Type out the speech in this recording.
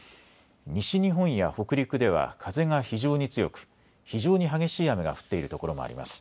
西日本や北陸では風が非常に強く非常に激しい雨が降っているところもあります。